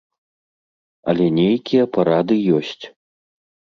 Але нейкія парады ёсць.